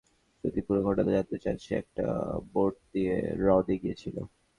যদি পুরো ঘটনা জানতে চান - সে একটা বোট নিয়ে হ্রদে গিয়েছিল।